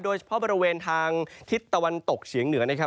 โดยเฉพาะบริเวณทางทิศตะวันตกเฉียงเหนือนะครับ